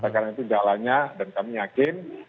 karena itu jalannya dan kami yakin